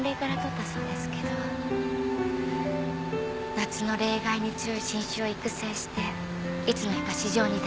「夏の冷害に強い新種を育成していつの日か市場に出したい」